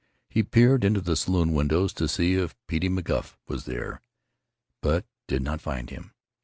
He peered into the saloon windows to see if Petey McGuff was there, but did not find him.